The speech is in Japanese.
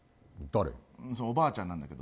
おばあちゃんなんだけど。